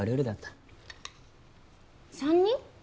３人？